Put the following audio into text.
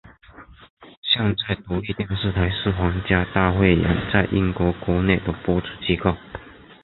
现在独立电视台是皇家大汇演在英国国内的播出机构。